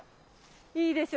いいでしょ。